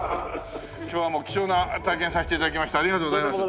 今日はもう貴重な体験させて頂きましてありがとうございます。